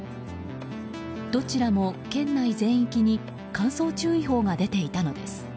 どちらも県内全域に乾燥注意報が出ていたのです。